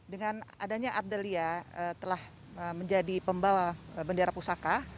dengan adanya ardelia telah menjadi pembawa bendera pusaka